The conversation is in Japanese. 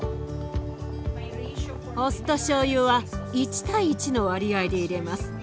お酢としょうゆは１対１の割合で入れます。